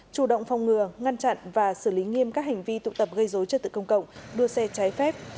chủ động phòng ngừa ngăn chặn và xử lý nghiêm các hành vi tụ tập gây dối trật tự công cộng đua xe trái phép